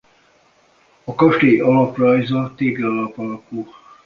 A kastély alaprajza téglalap alakú.